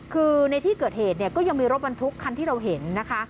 คือในที่เกิดเหตุเนี่ยก็ยังมีรถบรรทุกคันที่เราเห็นนะคะ